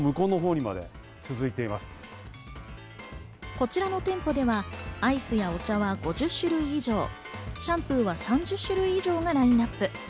こちらの店舗では、アイスやお茶は５０種類以上、シャンプーは３０種類以上がラインナップ。